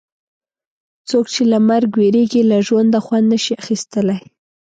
څوک چې له مرګ وېرېږي له ژونده خوند نه شي اخیستلای.